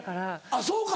あっそうか。